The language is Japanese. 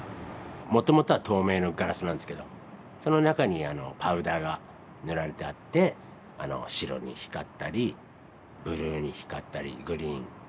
もともとは透明のガラスなんですけどその中にパウダーが塗られてあって白に光ったりブルーに光ったりグリーン。